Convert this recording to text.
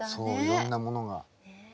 いろんなものが。